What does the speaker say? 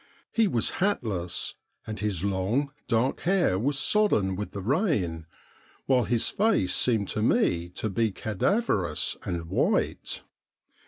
He was hatless, and his long, dark hair was sodden with the rain, while his face seemed to me to be cadaverous and white.